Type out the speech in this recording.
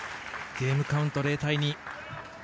ゲームカウント０対２。